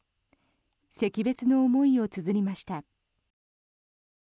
惜別の思いをつづりました。